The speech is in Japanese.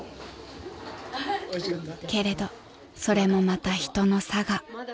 ［けれどそれもまた人のさが］